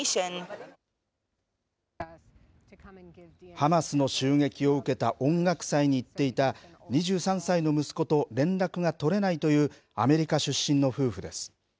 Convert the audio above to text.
ハマスの襲撃を受けた音楽祭に行っていた２３歳の息子と連絡が取れないというアメリカ出身の夫婦です。